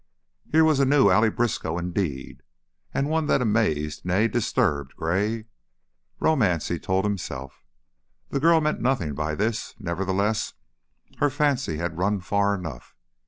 Here was a new Allie Briskow, indeed, and one that amazed, nay, disturbed, Gray. Romance, he told himself. The girl meant nothing by this; nevertheless, her fancy had run far enough.